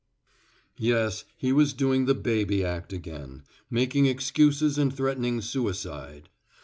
Yes, he was doing the baby act again, making excuses and threatening suicide.